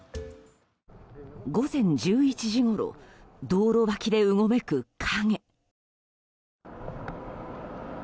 午前１１時ごろ道路脇でうごめく影。